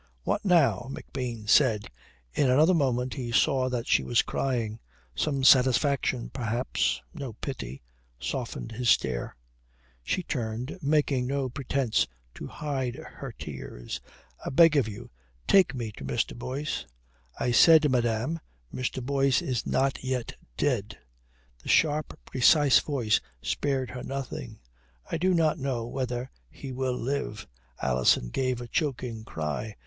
"What now?" McBean said. In another moment he saw that she was crying. Some satisfaction perhaps, no pity, softened his stare.... She turned, making no pretence to hide her tears. "I beg of you take me to Mr. Boyce." "I said, madame, Mr. Boyce is not yet dead." The sharp, precise voice spared her nothing. "I do not know whether he will live." Alison gave a choking cry.